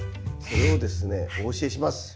それをですねお教えします。